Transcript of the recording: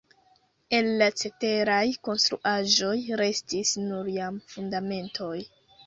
El la ceteraj konstruaĵoj restis nur jam fundamentoj.